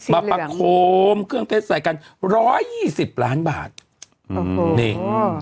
มาประโคมเครื่องเพชรใส่กัน๑๒๐ล้านบาทโอ้โหนี่